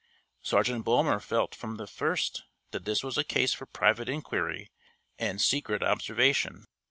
Sergeant Bulmer felt from the first that this was a case for private inquiry and secret observation.